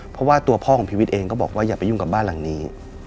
เพราะว่าตัวพ่อของพีวิทย์เองก็บอกว่าอย่าไปยุ่งกับบ้านหลังนี้